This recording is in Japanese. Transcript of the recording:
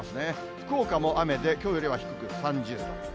福岡も雨で、きょうよりは低く３０度。